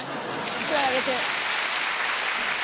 １枚あげて。